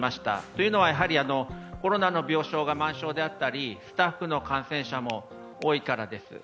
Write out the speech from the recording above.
というのは、コロナの病床が満床であったりスタッフの感染者も多いからです。